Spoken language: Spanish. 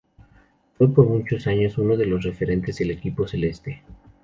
Fue por muchos años uno de los referentes del equipo "celeste".